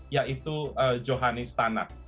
yaitu johanis tanak